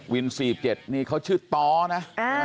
๔๗นี่เขาชื่อต้อนะ